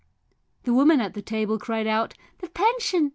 The woman at the table cried out, "The pension